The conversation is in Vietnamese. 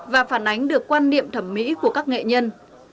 và phản ánh được quan niệm thẩm mỹ của các nghệ nhân